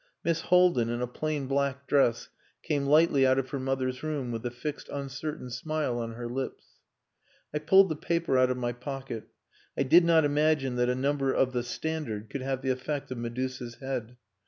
Miss Haldin in a plain black dress came lightly out of her mother's room with a fixed uncertain smile on her lips. I pulled the paper out of my pocket. I did not imagine that a number of the Standard could have the effect of Medusa's head.